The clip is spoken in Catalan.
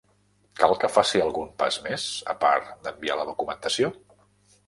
Cal que faci algun pas més, a part d'enviar la documentació?